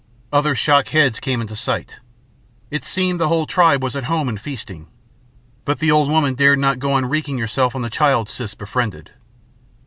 Other shock heads came into sight. It seemed the whole tribe was at home and feasting. But the old woman dared not go on wreaking herself on the child Siss befriended.